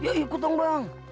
ya ikut dong bang